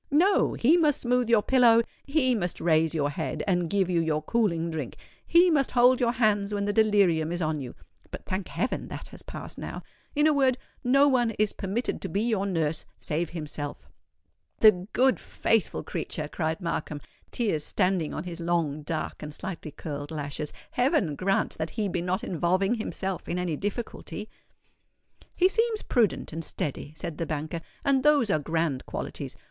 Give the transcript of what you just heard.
No—he must smooth your pillow—he must raise your head, and give you your cooling drink—he must hold your hands when the delirium is on you (but, thank heaven! that has passed now);—in a word, no one is permitted to be your nurse save himself." "The good, faithful creature!" cried Markham, tears standing on his long, dark, and slightly curled lashes. "Heaven grant that he be not involving himself in any difficulty." "He seems prudent and steady," said the banker; "and those are grand qualities.